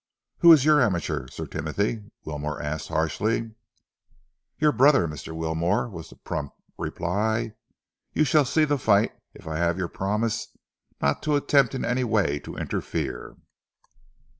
"Who is your amateur, Sir Timothy?" Wilmore asked harshly. "Your brother, Mr. Wilmore," was the prompt reply. "You shall see the fight if I have your promise not to attempt in any way to interfere."